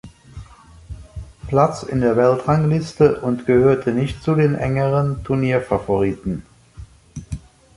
Platz in der Weltrangliste und gehörte nicht zu den engeren Turnierfavoriten.